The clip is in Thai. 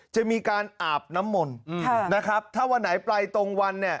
จะมีการอาบน้ำมนต์ถ้าวันไหนไปตรงวัน